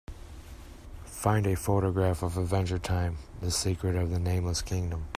Find a photograph of Adventure Time: The Secret of the Nameless Kingdom